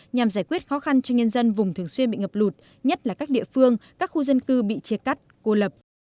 nhằm giải quyết khó khăn cho nhân dân vùng thường xuyên bị ngập lụt nhất là các địa phương các khu dân cư bị chia cắt cô lập